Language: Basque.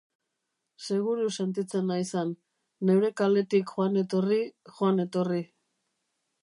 Seguru sentitzen naiz han, neure kaletik joan-etorri, joan-etorri.